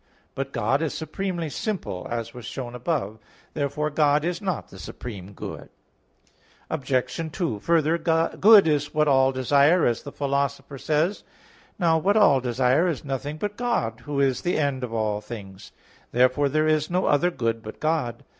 But God is supremely simple; as was shown above (Q. 3, A. 7). Therefore God is not the supreme good. Obj. 2: Further, "Good is what all desire," as the Philosopher says (Ethic. i, 1). Now what all desire is nothing but God, Who is the end of all things: therefore there is no other good but God.